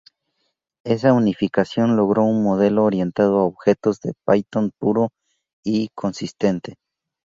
Esa unificación logró un modelo orientado a objetos de Python puro y consistente.